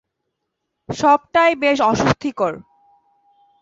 সবটাই বেশ অস্বস্তিকর।